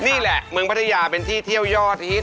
นี่แหละเมืองพัทยาเป็นที่เที่ยวยอดฮิต